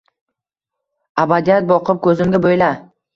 Abadiyat boqib ko’zimga bo’yla